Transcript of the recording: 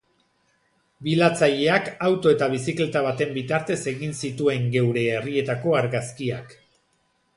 Bilatzaileak auto eta bizikleta baten bitartez egin zituen geure herrietako argazkiak.